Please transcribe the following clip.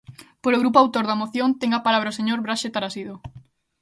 Polo grupo autor da moción, ten a palabra o señor Braxe Tarasido.